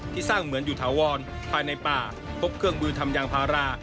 สร้างเหมือนอยู่ถาวรภายในป่าพบเครื่องมือทำยางพารา